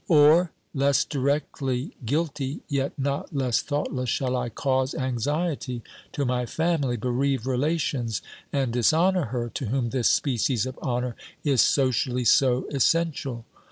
Or, less directly guilty yet not less thoughtless, shall I cause anxiety to my family, bereave relations and dishonour her to whom this species of honour is socially so essential